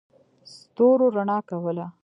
ستورو رڼا کوله.